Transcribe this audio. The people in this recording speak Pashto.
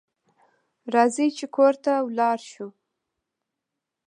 راځئ چې کور ته ولاړ شو